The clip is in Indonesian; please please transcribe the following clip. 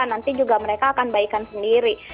nanti juga mereka akan baikan sendiri